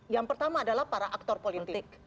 yang pertama adalah para aktor politik